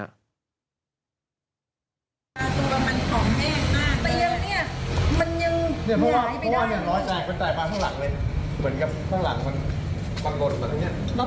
เอ้าโชคฟรีมสง